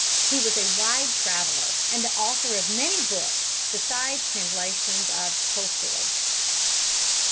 He was a wide traveler and the author of many books, besides translations of Tolstoi.